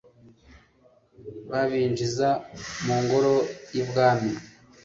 Babinjiza mu ngoro y’ibwami